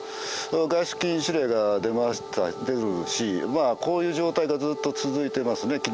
外出禁止令が出るしこういう状態がずっと続いていますね。